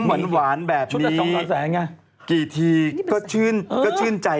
เมื่อวานหรอ